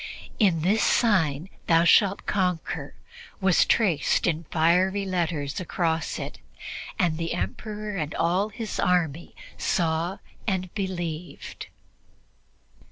"In this sign thou shalt conquer" was traced in fiery letters across it, and the Emperor and all his army saw and believed.